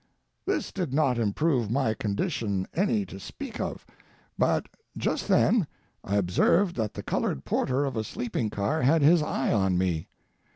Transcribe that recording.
This did not improve my condition any to speak of, but just then I observed that the colored porter of a sleeping car had his eye on me.